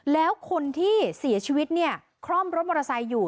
แล้วคนที่เสียชีวิตเนี่ยคล่อมรถมอเตอร์ไซค์อยู่